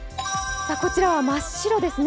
こちらは真っ白ですね。